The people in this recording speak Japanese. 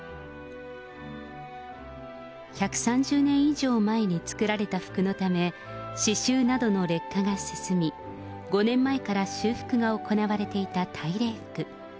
１３０年以上前に作られた服のため、刺しゅうなどの劣化が進み、５年前から修復が行われていた大礼服。